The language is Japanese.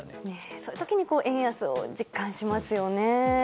そういう時に円安を実感しますよね。